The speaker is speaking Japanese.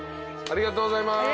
ありがとうございます。